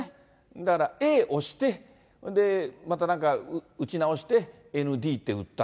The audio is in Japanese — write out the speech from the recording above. だからＡ押して、で、またなんか打ち直して、ｎｄって打った。